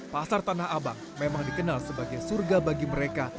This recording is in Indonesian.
pasar tanah abang memang dikenal sebagai surga bagi mereka